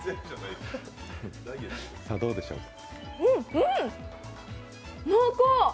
うん、濃厚！